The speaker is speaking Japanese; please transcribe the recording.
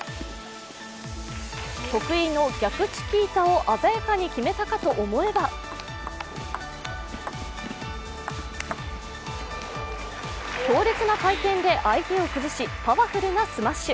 得意の逆チキータを鮮やかに決めたかと思えば強烈な回転で相手を崩しパワフルなスマッシュ。